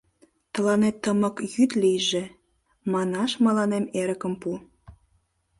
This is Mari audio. Тыланет тымык йӱд лийже, манаш мыланем эрыкым пу.